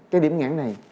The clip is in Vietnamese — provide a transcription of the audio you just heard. cái điểm ngán này